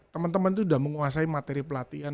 teman teman itu sudah menguasai materi pelatihan